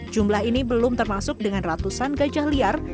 jumlah ini belum termasuk dengan ratusan gajah liar